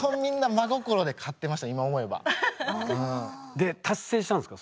で達成したんですか？